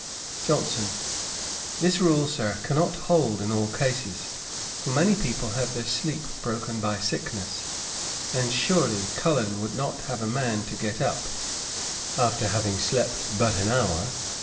JOHNSON. 'This rule, Sir, cannot hold in all cases; for many people have their sleep broken by sickness; and surely, Cullen would not have a man to get up, after having slept but an hour.